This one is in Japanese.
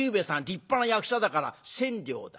立派な役者だから千両だ」。